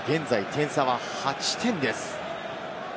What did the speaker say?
現在、点差は８点です。